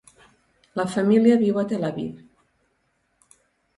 La família viu a Tel Aviv.